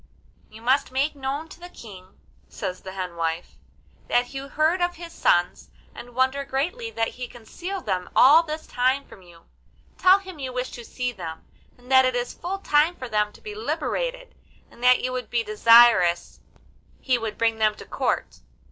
'You must make known to the King,' says the hen wife, 'that you heard of his sons, and wonder greatly that he concealed them all this time from you; tell him you wish to see them, and that it is full time for them to be liberated, and that you would be desirous he would bring them to the Court.